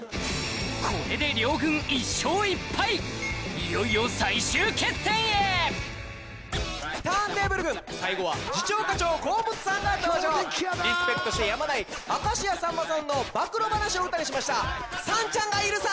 これで両軍１勝１敗いよいよ最終決戦へターンテーブル軍最後は次長課長・河本さんが登場リスペクトしてやまない明石家さんまさんの暴露話を歌にしました「さんちゃんがいるさ」